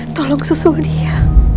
tolong susul dia